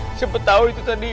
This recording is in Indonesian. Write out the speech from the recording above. hih siapa tau itu tadi